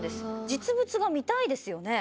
実物が見たいですよね？